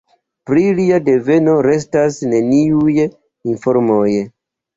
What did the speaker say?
Pri lia deveno restas neniuj informoj.